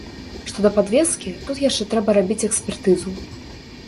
Што да падвескі, тут яшчэ трэба рабіць экспертызу.